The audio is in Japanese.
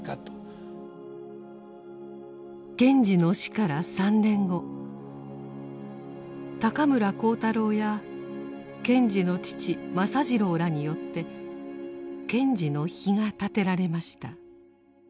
賢治の死から３年後高村光太郎や賢治の父政次郎らによって賢治の碑が建てられました。